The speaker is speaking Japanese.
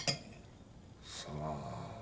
さあ。